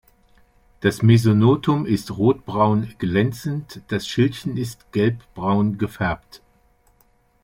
Das Mesonotum ist rotbraun glänzend, das Schildchen ist gelbbraun gefärbt.